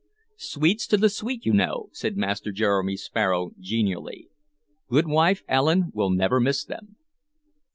"Sweets to the sweet, you know," said Master Jeremy Sparrow genially. "Goodwife Allen will never miss them."